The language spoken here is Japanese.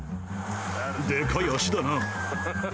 でかい足だな。